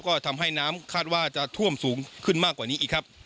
ก็ทำให้น้ำคาดว่าจะท่วมสูงขึ้นมากกว่านี้อีกครับ